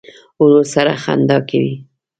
ورور سره خندا کوې.